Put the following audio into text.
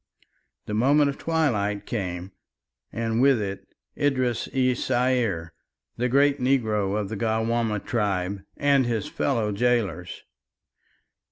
The moment of twilight came and with it Idris es Saier, the great negro of the Gawaamah tribe, and his fellow gaolers.